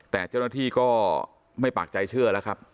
แต่เจ้าหน้าที่ก็ไม่ปากใจเชื่อแล้วครับ